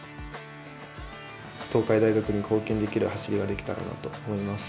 東海大学に貢献できる走りができたらなと思います。